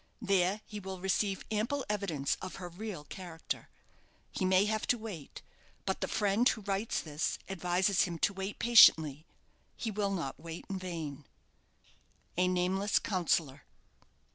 There he will receive ample evidence of her real character. He may have to wait; but the friend who writes this advises him to wait patiently. He will not wait in vain_. "A NAMELESS COUNSELLOR."